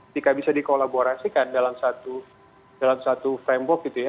jika bisa dikolaborasikan dalam satu framework gitu ya